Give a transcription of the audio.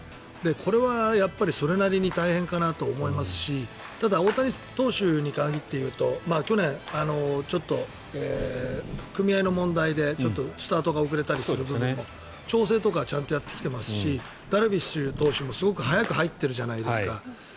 これはやっぱりそれなりに大変かなと思いますしただ、大谷投手に限って言うと去年、ちょっと組合の問題でスタートが遅れても調整とかちゃんとやってきてますしダルビッシュ投手もすごく早く入ってるじゃないですか。